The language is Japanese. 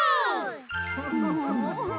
フフフフフ。